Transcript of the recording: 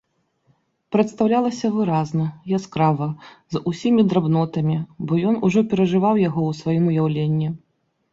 Прадстаўлялася выразна, яскрава, з усімі драбнотамі, бо ён ужо перажываў яго ў сваім уяўленні.